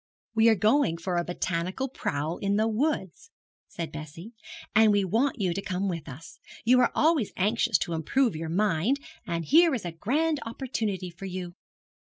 'We are going for a botanical prowl in the woods,' said Bessie, 'and we want you to come with us. You are always anxious to improve your mind, and here is a grand opportunity for you.